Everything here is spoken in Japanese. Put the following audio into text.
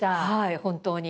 本当に。